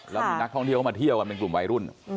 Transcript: แล้วมีนักท่องเที่ยวเข้ามาเที่ยวกันเป็นกลุ่มวัยรุ่น